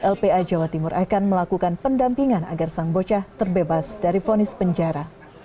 lpa jawa timur akan melakukan pendampingan agar sang bocah terbebas dari fonis penjara